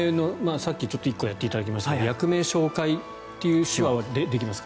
さっき１個やっていただきましたが役名紹介の手話はできますか？